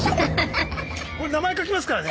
名前書きますからね！